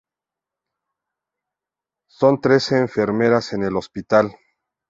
Son tres enfermeras en el hospital.